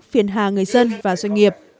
phiền hà người dân và doanh nghiệp